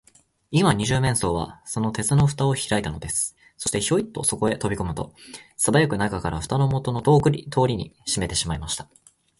今、二十面相は、その鉄のふたをひらいたのです。そして、ヒョイとそこへとびこむと、すばやく中から、ふたをもとのとおりにしめてしまいました。